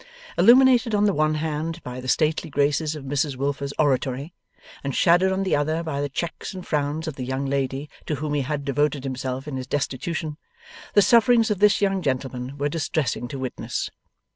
Illuminated on the one hand by the stately graces of Mrs Wilfer's oratory, and shadowed on the other by the checks and frowns of the young lady to whom he had devoted himself in his destitution, the sufferings of this young gentleman were distressing to witness.